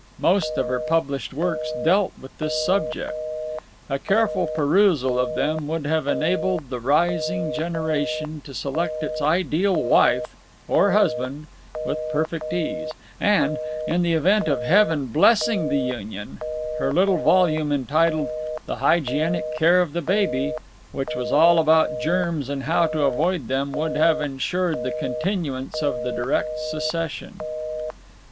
Most of her published works dealt with this subject. A careful perusal of them would have enabled the rising generation to select its ideal wife or husband with perfect ease, and, in the event of Heaven blessing the union, her little volume, entitled "The Hygienic Care of the Baby," which was all about germs and how to avoid them, would have insured the continuance of the direct succession.